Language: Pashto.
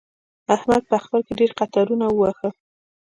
احمد په اختر کې ډېر قطارونه ووهل.